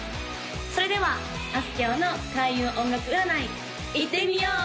それではあすきょうの開運音楽占いいってみよう！